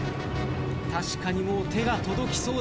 確かにもう手が届きそうな距離です。